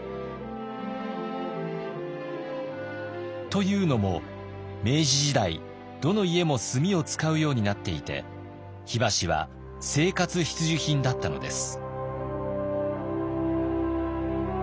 というのも明治時代どの家も炭を使うようになっていて火箸は生活必需品だったのです。